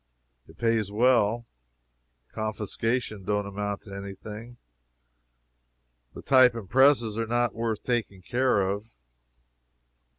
It pays well. Confiscation don't amount to any thing. The type and presses are not worth taking care of.